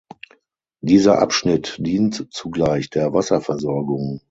Dieser Abschnitt dient zugleich der Wasserversorgung.